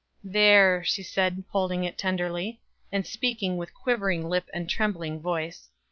"There," she said, holding it tenderly, and speaking with quivering lip and trembling voice.